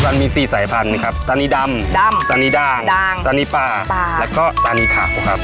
มันมี๔สายพันธุ์นะครับตานีดำตานีดางตานีปลาแล้วก็ตานีขาวครับ